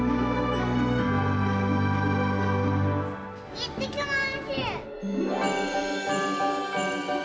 いってきます。